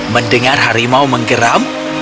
mendengar harimau menggeram